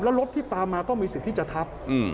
แล้วรถที่ตามมาก็มีสิทธิ์ที่จะทับ